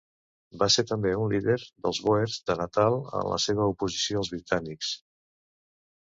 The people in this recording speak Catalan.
Va ser també un líder dels bòers de Natal en la seva oposició als britànics.